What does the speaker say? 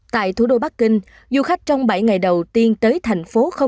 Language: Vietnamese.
tại thủ đô bắc kinh du khách trong bảy ngày đầu tiên tới thành phố không